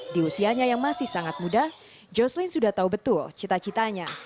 di usianya yang masih sangat muda jocelley sudah tahu betul cita citanya